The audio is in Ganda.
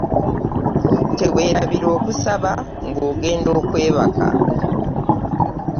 Teweerabira okusaba ng'ogenda okwebaka.